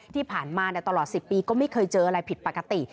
ที่ผ่านมาตลอด๑๐ปีก็ไม่เคยเจออะไรผิดปกติ